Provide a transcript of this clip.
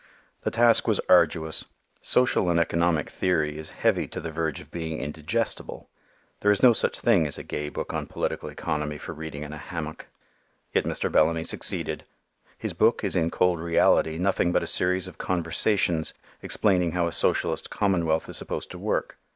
The task was arduous. Social and economic theory is heavy to the verge of being indigestible. There is no such thing as a gay book on political economy for reading in a hammock. Yet Mr. Bellamy succeeded. His book is in cold reality nothing but a series of conversations explaining how a socialist commonwealth is supposed to work.